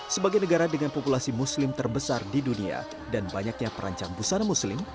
sebagai negara dengan populasi muslim terbesar di dunia dan banyaknya perancang busana muslim